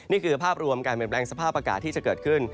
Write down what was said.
นี่คือภาพรวมการเปลี่ยนแปลงสภาพอากาศที่จะเกิดขึ้น